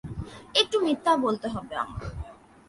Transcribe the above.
একটু মিথ্যা বলতে হবে আমার।